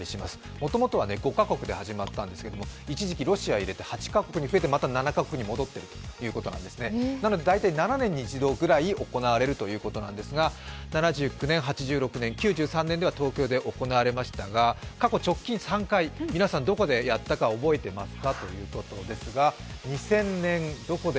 もともとは５か国で始まったんですけれども、一時期ロシアを行けて８か国に増えて、また７か国に戻ってと、なので大体７年に一度ぐらい行われるということなんですが７９年、８６年、９３年には東京で行われましたが、過去直近３回、どこでやったか皆さん覚えてますか？